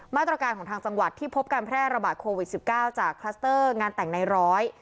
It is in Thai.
มาตรการของทางจังหวัดที่พบการแพร่ระบาดโควิดสิบเก้าจากคลัสเตอร์งานแต่งในร้อย